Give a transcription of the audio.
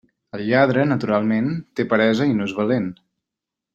El lladre naturalment, té peresa i no és valent.